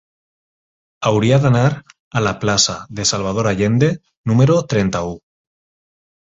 Hauria d'anar a la plaça de Salvador Allende número trenta-u.